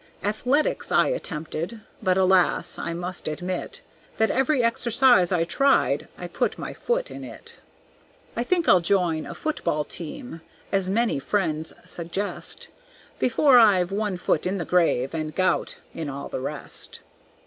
Athletics I attempted, but, alas! I must admit That every exercise I tried I put my foot in it. I think I'll join a foot ball team, as many friends suggest, Before I've one foot in the grave and gout in all the rest.